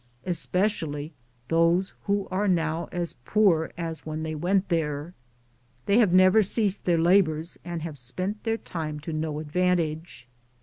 r,z«j I:, Google especially those who are now as poor as when they went there. They have never ceased their labors and have spent their time to no advantage.